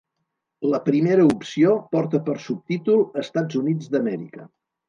La primera opció porta per subtítol Estats Units d'Amèrica.